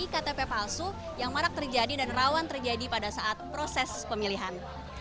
ktp palsu yang marak terjadi dan rawan terjadi pada saat proses pemilihan